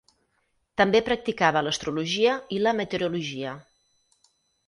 També practicava l'astrologia i la meteorologia.